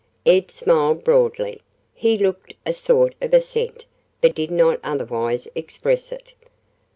Ed smiled broadly. He looked a sort of assent, but did not otherwise express it.